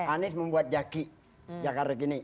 anies membuat jaki jakarta gini